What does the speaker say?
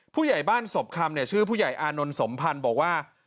ผู้ใหญ่บ้านศพคำชื่อผู้ใหญ่อานนท์สมพันธ์บอกว่า